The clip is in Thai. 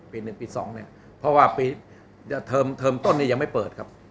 เพราะว่าเพราะว่าเพราะว่าเทอมต้นอย่างไม่เปิดครับ